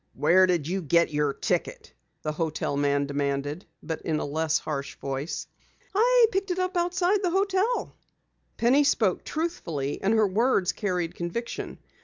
"Where did you get your ticket?" the hotel man demanded but in a less harsh voice. "I picked it up outside the hotel." Penny spoke truthfully and her words carried conviction.